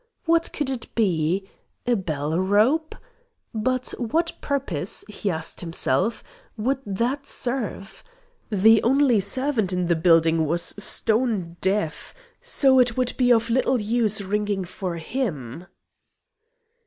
What could it be? A bell rope? But what purpose, he asked himself, would that serve? The only servant in the building was stone deaf, so it would be of little use ringing for him.